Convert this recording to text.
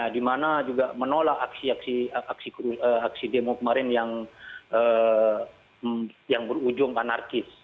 dimana juga menolak aksi demo kemarin yang berujung anarkis